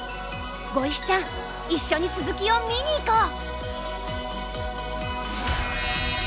ごいしちゃん一緒に続きを見に行こう。